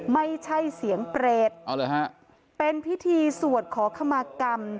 ไม่ใช่เสียงเปรตเป็นพิธีสวดขอขมากรรม